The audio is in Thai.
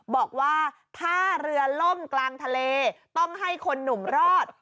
บอกว่าถ้าเรือล่มกลางทะเลต้องให้คนหนุ่มรอด